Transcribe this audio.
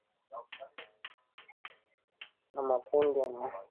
na makundi yanayohusika Lugha hii inaweza kuwa na msamiati mwingi kutoka lugha kati ya